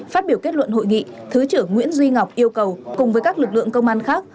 phát biểu kết luận hội nghị thứ trưởng nguyễn duy ngọc yêu cầu cùng với các lực lượng công an khác